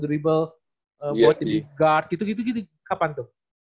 drible buat jadi guard gitu gitu kapan tuh